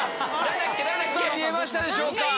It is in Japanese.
見えましたでしょうか？